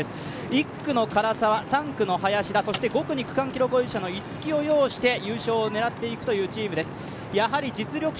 １区の唐沢、３区の林田、５区に区間記録保持者の逸木を擁して優勝を狙っていくというチームです。